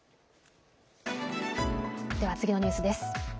では次のニュースです。